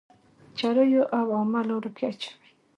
چريو او عامه لارو کي اچوئ.